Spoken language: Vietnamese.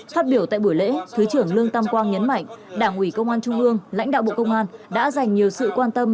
phát biểu tại buổi lễ thứ trưởng lương tam quang nhấn mạnh đảng ủy công an trung ương lãnh đạo bộ công an đã dành nhiều sự quan tâm